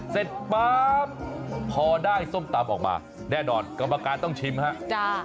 เสร็จปั๊บพอได้ส้มตำออกมาแน่นอนกรรมการต้องชิมฮะ